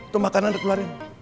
tuh makanan udah keluarin